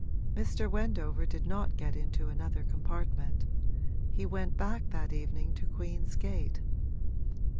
Mr. Wendover did not get into another compartment; he went back that evening to Queen's Gate.